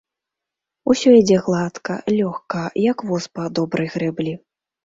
Усё ідзе гладка, лёгка, як воз па добрай грэблі.